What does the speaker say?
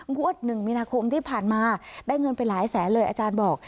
งวด๑มีนาคมที่ผ่านมาได้เงินไปหลายแสนเลยอาจารย์บอก